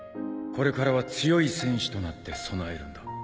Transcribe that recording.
これからは強い戦士となって備えるんだ